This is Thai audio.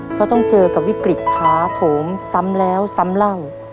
เพราะต้องเจอกับวิกฤตถาโถมซ้ำแล้วซ้ำเล่า